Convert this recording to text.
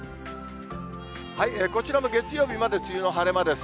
こちらも月曜日まで梅雨の晴れ間です。